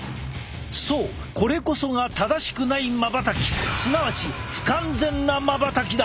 そうこれこそが正しくないまばたきすなわち不完全なまばたきだ！